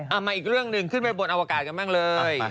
มาอีกเรื่องหนึ่งขึ้นไปบนอวกาศกันบ้างเลย